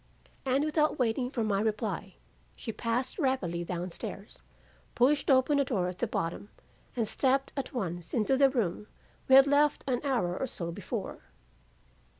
"And without waiting for my reply, she passed rapidly down stairs, pushed open a door at the bottom, and stepped at once into the room we had left an hour or so before.